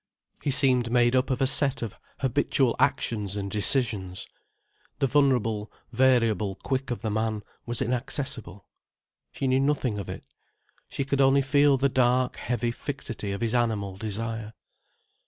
He seemed made up of a set of habitual actions and decisions. The vulnerable, variable quick of the man was inaccessible. She knew nothing of it. She could only feel the dark, heavy fixity of his animal desire.